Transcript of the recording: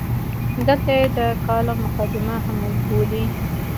دلته یې د کالم مقدمه هم وبولئ.